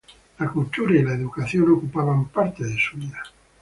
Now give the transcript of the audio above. La cultura y la educación ocupaban parte de su vida.